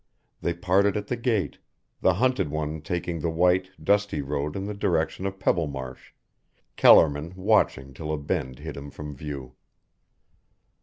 They parted at the gate, the hunted one taking the white, dusty road in the direction of Pebblemarsh, Kellerman watching till a bend hid him from view.